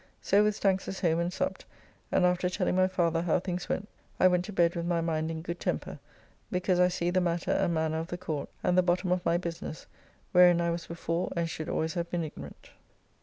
So with Stankes home and supped, and after telling my father how things went, I went to bed with my mind in good temper, because I see the matter and manner of the Court and the bottom of my business, wherein I was before and should always have been ignorant.